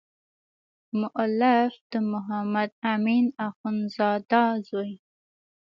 مؤلف د محمد امین اخندزاده زوی.